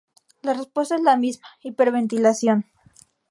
La respuesta es la misma; hiperventilación.